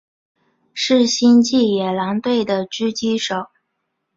是星际野狼队的狙击手。